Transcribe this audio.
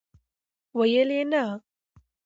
ویل یې، نه!!!